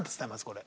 これ。